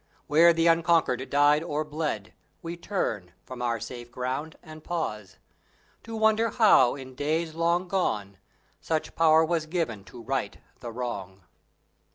Where the unconquered died or bled We turn, from our safe ground, and pause To wonder how, in days long gone, Such power was given to right the wrong!